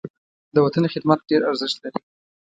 د وطن خدمت ډېر ارزښت لري.